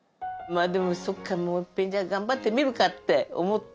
でもそっかもういっぺんじゃあ頑張ってみるかって思った。